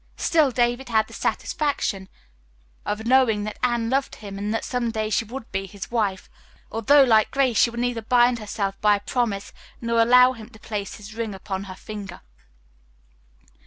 Still, David had the satisfaction of knowing that Anne loved him and that some day she would be his wife, although, like Grace, she would neither bind herself by a promise nor allow him to place his ring upon her finger.